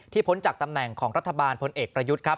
พ้นจากตำแหน่งของรัฐบาลพลเอกประยุทธ์ครับ